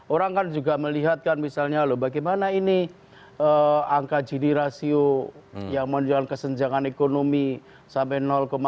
orang kan juga melihatkan misalnya loh bagaimana ini angka jini rasio yang menjual kesenjangan ekonomi sampai empat puluh satu